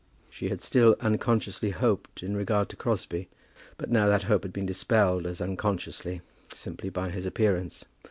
She had still unconsciously hoped in regard to Crosbie, but now that hope had been dispelled as unconsciously, simply by his appearance.